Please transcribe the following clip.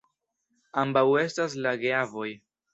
Ambaŭ estas la geavoj.